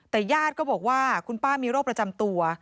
แต่ญาติก็บอกว่าคุณป้ามีโรคประจำตัว